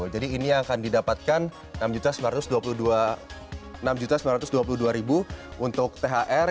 jadi ini yang akan didapatkan rp enam sembilan ratus dua puluh dua untuk thr